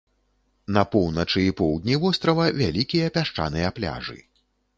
На поўначы і поўдні вострава вялікія пясчаныя пляжы.